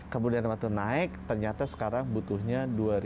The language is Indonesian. kemudian waktu naik ternyata sekarang butuhnya dua ribu dua ratus